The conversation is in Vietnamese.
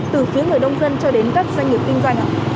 từ phía người nông dân cho đến các doanh nghiệp kinh doanh